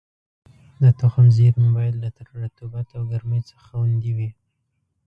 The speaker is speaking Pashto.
د تخم زېرمې باید له رطوبت او ګرمۍ څخه خوندي وي.